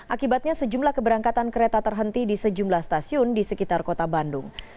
akibatnya sejumlah keberangkatan kereta terhenti di sejumlah stasiun di sekitar kota bandung